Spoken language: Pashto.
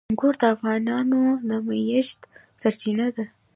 انګور د افغانانو د معیشت سرچینه ده.